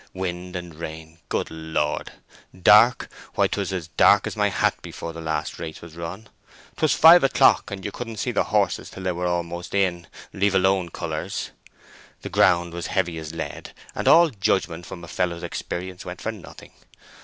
Wind and rain—good Lord! Dark? Why, 'twas as black as my hat before the last race was run. 'Twas five o'clock, and you couldn't see the horses till they were almost in, leave alone colours. The ground was as heavy as lead, and all judgment from a fellow's experience went for nothing.